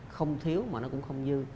không thiếu mà nó cũng không dư